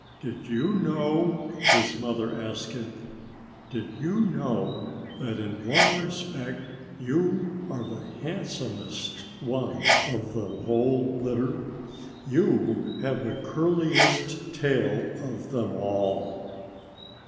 "Did you know " his mother asked him "did you know that in one respect you are the handsomest one of the whole litter? You have the curliest tail of them all!"